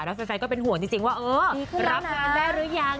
แล้วแฟนก็เป็นห่วงจริงว่าเออรับงานได้หรือยัง